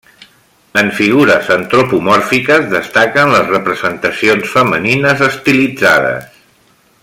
En figures antropomòrfiques, destaquen les representacions femenines estilitzades.